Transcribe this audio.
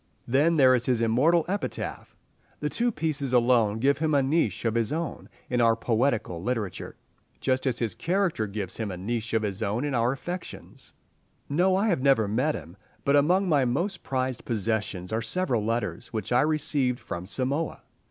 Then there is his immortal epitaph. The two pieces alone give him a niche of his own in our poetical literature, just as his character gives him a niche of his own in our affections. No, I never met him. But among my most prized possessions are several letters which I received from Samoa.